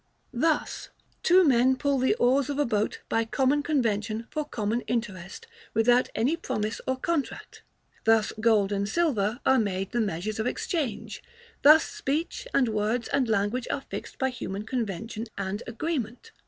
Thus, two men pull the oars of a boat by common convention for common interest, without any promise or contract; thus gold and silver are made the measures of exchange; thus speech and words and language are fixed by human convention and agreement.